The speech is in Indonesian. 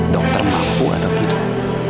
dokter mampu atau tidak